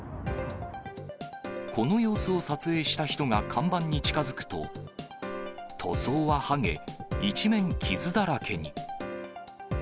この様子を撮影した人が看板に近づくと、塗装ははげ、一面傷だらけに。